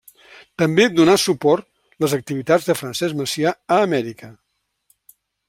També donà suport les activitats de Francesc Macià a Amèrica.